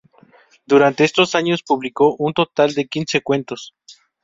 Durante estos años publicó un total de quince cuentos.